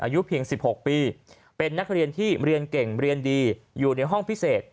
อายุเพียง๑๖ปีเป็นนักเรียนที่เรียนเก่งเรียนดีอยู่ในห้องพิเศษ